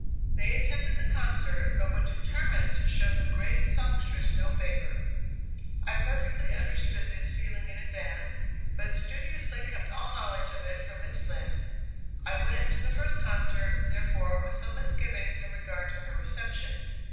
They attended the concert, but were determined to show the great songstress no favor. I perfectly understood this feeling in advance, but studiously kept all knowledge of it from Miss Lind. I went to the first concert, therefore, with some misgivings in regard to her reception.